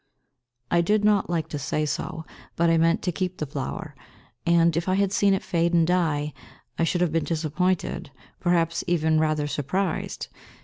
I did not like to say so, but I meant to keep the flower, and, if I had seen it fade and die, I should have been disappointed, perhaps even rather surprised.